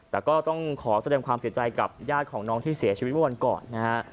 แต่ก็ต้องขอแสดงความเสียใจกับญาติของน้องที่เสียชีวิตเมื่อวันก่อนนะฮะ